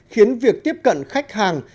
khiến việc tiếp cận khách hàng